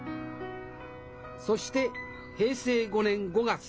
そして平成５年５月